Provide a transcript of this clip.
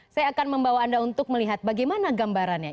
saya akan membawa anda untuk melihat bagaimana gambarannya